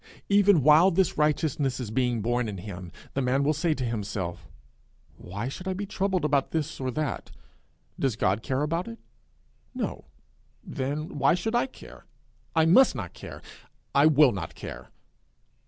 Even while this righteousness is being born in him, the man will say to himself, 'Why should I be troubled about this thing or that? Does God care about it? No. Then why should I care? I must not care. I will not care!